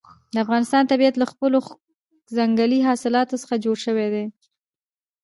د افغانستان طبیعت له خپلو ځنګلي حاصلاتو څخه جوړ شوی دی.